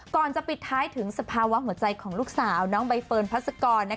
ก่อนจะปิดท้ายถึงสภาวะหัวใจของลูกสาวน้องใบเฟิร์นพัศกร